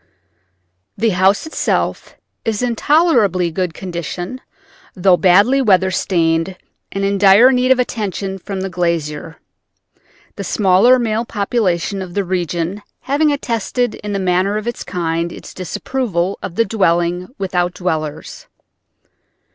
The house itself is in tolerably good condition, though badly weather stained and in dire need of attention from the glazier, the smaller male population of the region having attested in the manner of its kind its disapproval of dwelling without dwellers.